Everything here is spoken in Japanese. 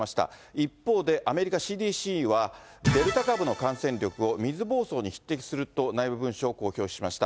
一方で、アメリカ、ＣＤＣは、デルタ株の感染力を水ぼうそうに匹敵すると、内部文書を公表しました。